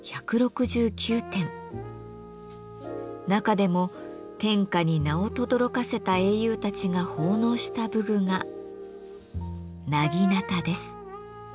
中でも天下に名をとどろかせた英雄たちが奉納した武具が薙刀です。